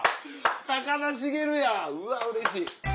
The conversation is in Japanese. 高田繁やうわうれしい。